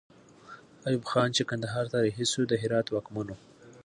ایوب خان چې کندهار ته رهي سو، د هرات واکمن وو.